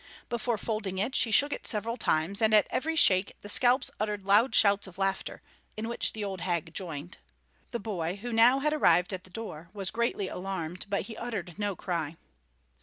Before folding it, she shook it several times, and at every shake the scalps uttered loud shouts of laughter, in which the old hag joined. The boy, who now had arrived at the door, was greatly alarmed, but he uttered no cry.